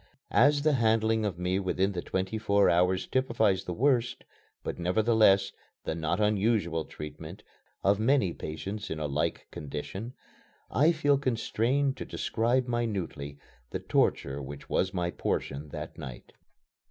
As the handling of me within the twenty four hours typifies the worst, but, nevertheless, the not unusual treatment of many patients in a like condition, I feel constrained to describe minutely the torture which was my portion that night.